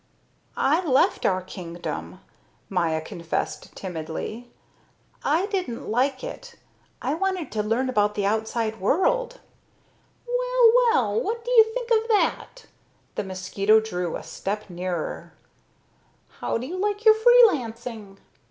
"I left our kingdom," Maya confessed timidly. "I didn't like it. I wanted to learn about the outside world." "Well, well, what do you think of that!" The mosquito drew a step nearer. "How do you like your free lancing?